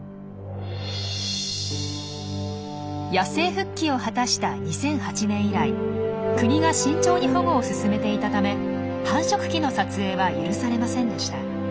野生復帰を果たした２００８年以来国が慎重に保護を進めていたため繁殖期の撮影は許されませんでした。